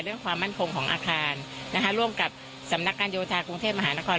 ความมั่นคงของอาคารนะคะร่วมกับสำนักการโยธากรุงเทพมหานคร